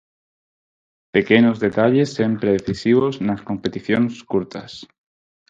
Pequenos detalles sempre decisivos nas competicións curtas.